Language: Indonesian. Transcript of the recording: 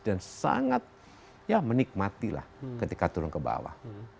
dan sangat ya menikmatilah ketika turun ke bawah